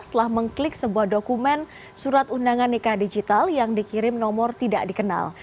setelah mengklik sebuah dokumen surat undangan nikah digital yang dikirim nomor tidak dikenal